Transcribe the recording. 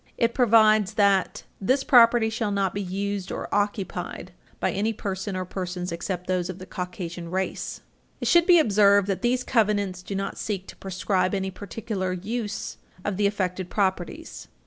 It provides that "This property shall not be used or occupied by any person or persons except those of the Caucasian race." It should be observed that these covenants do not seek to proscribe any particular use of the affected properties.